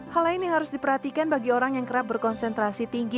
hal lain yang harus diperhatikan bagi orang yang kerap berkonsentrasi tinggi